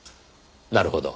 なるほど。